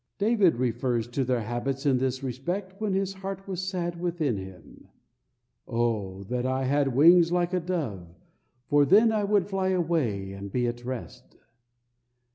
David refers to their habits in this respect when his heart was sad within him: "O that I had wings like a dove, for then would I fly away and be at rest."